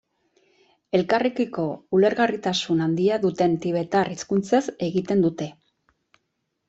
Elkarrekiko ulergarritasun handia duten tibetar hizkuntzez egiten dute.